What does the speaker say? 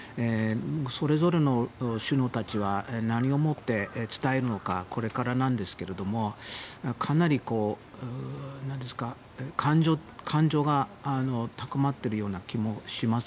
それぞれの首脳たちが何を思って伝えるのかはこれからなんですけれどもかなり感情が高まっているような気もします。